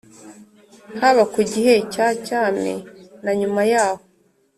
haba ku gihe cya cyami na nyuma yaho,